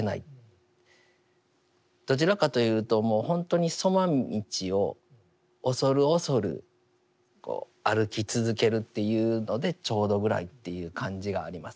どちらかというともうほんとに杣道を恐る恐る歩き続けるというのでちょうどぐらいっていう感じがあります。